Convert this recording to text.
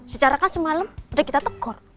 secara kan semalam udah kita tegur